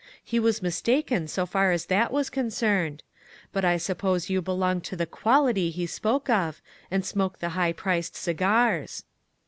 He was mistaken, so far as that was concerned ; but I suppose you belong to the ' quality ' he spoke of, and smoke the high priced cigars."